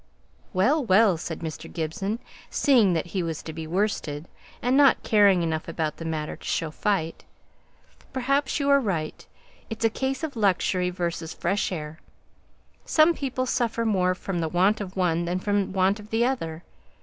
"Well, well!" said Mr. Gibson, seeing that he was to be worsted, and not caring enough about the matter to show fight. "Perhaps you're right. It's a case of luxury versus fresh air. Some people suffer more from want of the one than from want of the other.